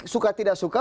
suka tidak suka